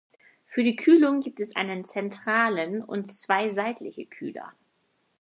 Für die Kühlung gibt es einen zentralen und zwei seitliche Kühler.